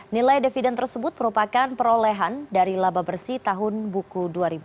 nilai dividen tersebut merupakan perolehan dari laba bersih tahun buku dua ribu dua puluh